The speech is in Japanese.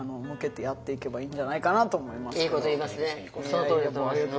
そのとおりだと。